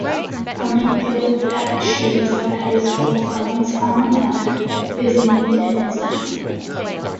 Fleming Field at Shadyside High School, Fleming's alma mater, is named in his memory.